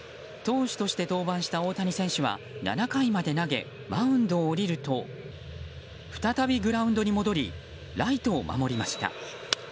投手として登板した大谷選手は７回まで投げマウンドを降りると再びグラウンドに戻りライトを守りました。